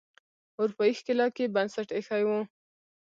اروپایي ښکېلاک یې بنسټ ایښی و.